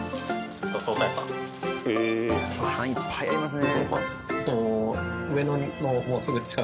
パンいっぱいありますね。